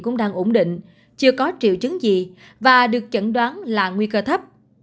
cũng đang ổn định chưa có triệu chứng gì và được chẩn đoán là nguy cơ thấp